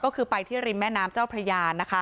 ก็คือไปที่ริมแม่น้ำเจ้าพระยา